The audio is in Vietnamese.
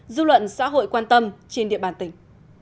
dư luận xã hội quan tâm trên địa bàn tỉnh